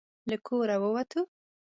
له کوره ووتو.